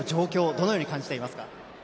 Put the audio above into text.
どのように感じていますか？